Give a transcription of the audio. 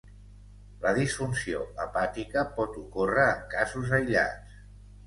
La disfunció hepàtica pot ocórrer en casos aïllats.